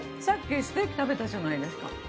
さっきステーキ食べたじゃないですか。